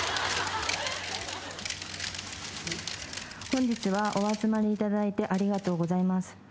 本日はお集まりいただいてありがとうございます。